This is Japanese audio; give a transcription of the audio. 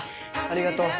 ありがとう。